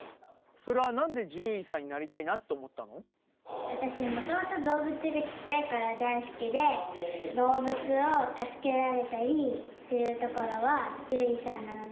それはなんで獣医さんになり私、もともと動物が、ちっちゃいころから大好きで、動物を助けられたりするところは、獣医さんなので。